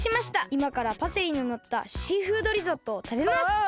いまからパセリののったシーフードリゾットをたべます！